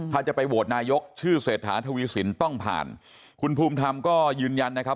ถ้าจะไปโหวตนายกชื่อเศรษฐาทวีสินต้องผ่านคุณภูมิธรรมก็ยืนยันนะครับ